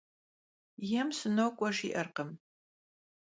Yêm «sınok'ue» jji'erkhım.